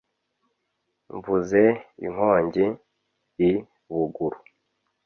nvuze inkongi i buguru